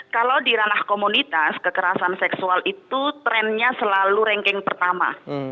kalau di ranah komunitas kekerasan seksual itu trennya selalu ranking pertama